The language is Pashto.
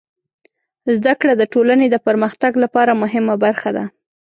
زدهکړه د ټولنې د پرمختګ لپاره مهمه برخه ده.